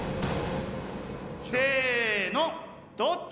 せのどっち？